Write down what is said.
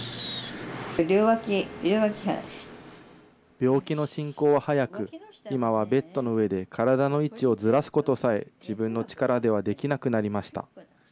病気の進行は早く、今はベッドの上で体の位置をずらすことさえ自分の力ではできなくなりました。